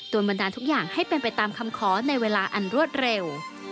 บันดาลทุกอย่างให้เป็นไปตามคำขอในเวลาอันรวดเร็ว